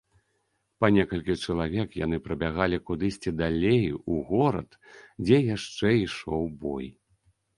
Па некалькі чалавек яны прабягалі кудысьці далей у горад, дзе яшчэ ішоў бой.